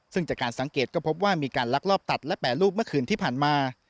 ซึ่งจากการสังเกตก็พบว่ามีการลักลอบตัดและแปรรูปเมื่อคืนที่ผ่านมา